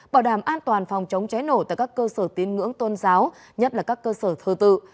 bảo đảm an toàn phòng chống cháy nổ tại các cơ sở tiến ngưỡng tôn giáo nhất là các cơ sở thơ tự